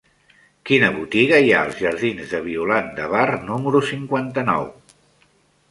Quina botiga hi ha als jardins de Violant de Bar número cinquanta-nou?